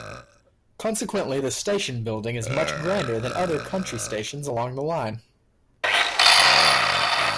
Consequently, the station building is much grander than other country stations along the line.